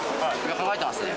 考えてますね。